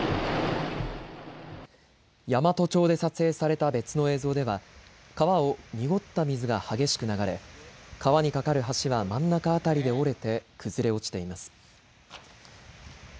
山都町で撮影された別の映像では川を濁った水が激しく流れ川に架かる橋は真ん中辺りで折れて崩れ落ちています。